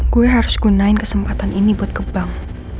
gue harus gunain kesempatan ini buat ke bank